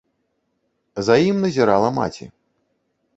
За ім назірала маці.